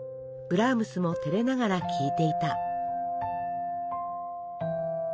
ブラームスも照れながら聞いていた」。